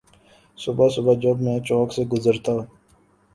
صبح صبح جب میں چوک سے گزرتا